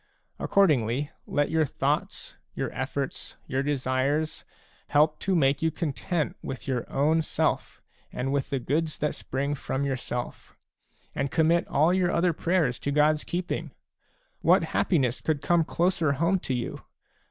Accordingly, let your thoughts, your efForts, your desires, help to make you content with your own self and with the goods that spring from yourself ; and commit all your other prayers to God's keeping ! What happiness could come closer home to you